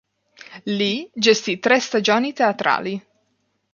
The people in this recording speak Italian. Lì, gestì tre stagioni teatrali.